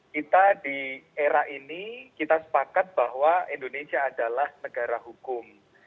kita di era ini kita sepakat bahwa indonesia adalah negara hukum